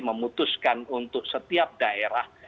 memutuskan untuk setiap daerah